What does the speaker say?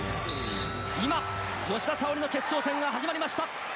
今吉田沙保里の決勝戦が始まりました！